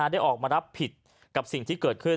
ได้ออกมารับผิดกับสิ่งที่เกิดขึ้น